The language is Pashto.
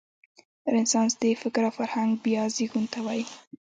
رنسانس د فکر او فرهنګ بیا زېږون ته وايي.